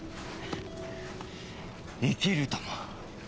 生きるとも。